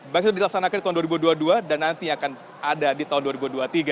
baik itu dilaksanakan di tahun dua ribu dua puluh dua dan nanti akan ada di tahun dua ribu dua puluh tiga